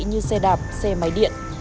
như xe đạp xe máy điện